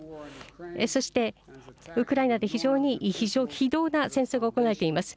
そして、ウクライナで非常に非道な戦争が行われています。